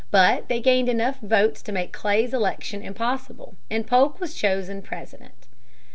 But they gained enough votes to make Clay's election impossible and Polk was chosen President.